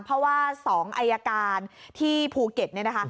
เพราะว่า๒อายการที่ภูเก็ตเนี่ยนะคะ